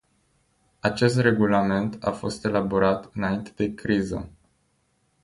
Acest regulament a fost elaborat înainte de criză.